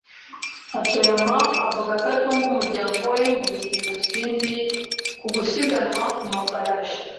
Hatoyama avuga ko atunga umuryango we mu gukina urusimbi ku gusiganwa ku mafarashi.